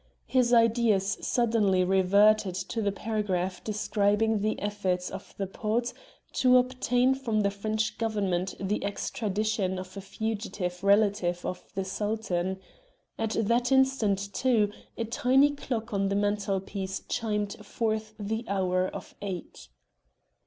His ideas suddenly reverted to the paragraph describing the efforts of the Porte to obtain from the French Government the extradition of a fugitive relative of the Sultan. At that instant, too, a tiny clock on the mantelpiece chimed forth the hour of eight.